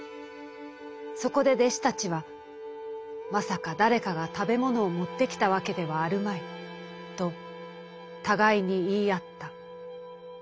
そこで弟子たちは『まさか誰かが食べ物を持って来たわけではあるまい』と互いに言い合った」。